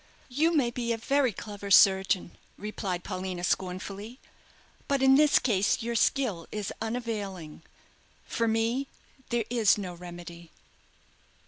"You may be a very clever surgeon," replied Paulina, scornfully; "but in this case your skill is unavailing. For me there is no remedy."